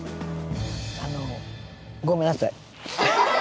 あのごめんなさい。